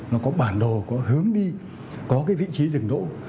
nó có bản đồ có hướng đi có vị trí dừng độ